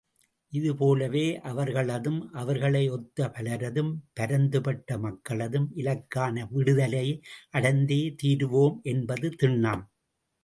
இதுபோலவே அவர்களதும், அவர்களை ஒத்த பலரதும், பரந்துபட்ட மக்களதும் இலக்கான விடுதலையை அடைந்தே தீருவோம் என்பது திண்ணம்.